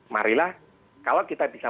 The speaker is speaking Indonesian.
marilah kalau kita bisa